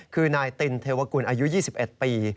คือนายตินเทวกุลอายุ๒๑ปี